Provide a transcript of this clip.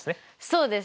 そうです。